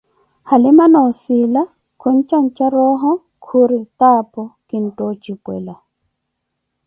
Halima noo ossila khuntjantja roho, khuri taapoh kinttha ontjipwela